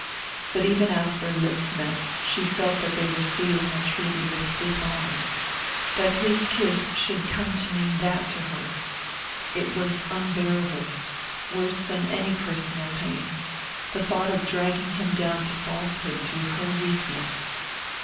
But even as their lips met she felt that they were sealing a treaty with dishonour. That his kiss should come to mean that to her! It was unbearable worse than any personal pain the thought of dragging him down to falsehood through her weakness.